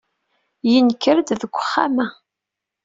Yenker-d deg uxxam-a.